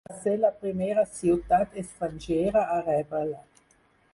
Va ser la primera ciutat estrangera a rebre-la.